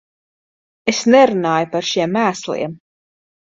Es nerunāju par šiem mēsliem.